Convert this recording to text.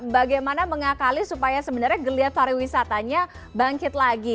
bagaimana mengakali supaya sebenarnya geliat pariwisatanya bangkit lagi